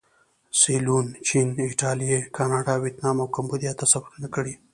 سیلون، چین، ایټالیې، کاناډا، ویتنام او کمبودیا ته سفرونه کړي.